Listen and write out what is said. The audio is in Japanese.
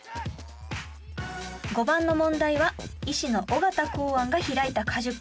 ５番の問題は医師の緒方洪庵が開いた家塾。